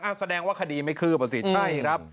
แสดงว่าคดีไม่คืบอ่ะสิใช่ครับ